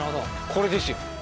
これですよ！